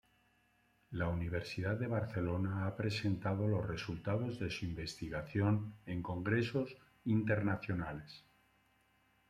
La Universidad de Barcelona ha presentado los resultados de su investigación en congresos internacionales.